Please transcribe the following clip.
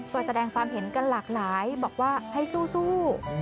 ก็แสดงความเห็นกันหลากหลายบอกว่าให้สู้